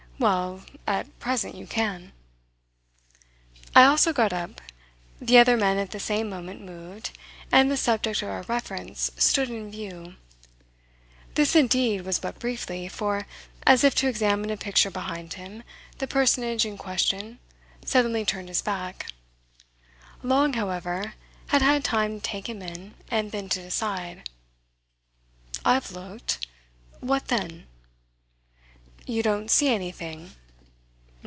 "Well, at present you can." I also got up, the other men at the same moment moved, and the subject of our reference stood in view. This indeed was but briefly, for, as if to examine a picture behind him, the personage in question suddenly turned his back. Long, however, had had time to take him in and then to decide. "I've looked. What then?" "You don't see anything?"